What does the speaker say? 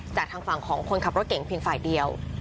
จากทางฝั่งของคนขับรถเก่งเพียงฝ่ายเดียว